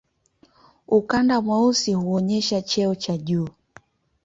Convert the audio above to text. Ukanda mweusi huonyesha cheo cha juu.